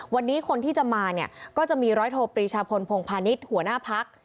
วันนี้คนที่จะมาเนี่ยก็จะมีร้อยโทปรีชาพลพงพาณิชย์หัวหน้าพัก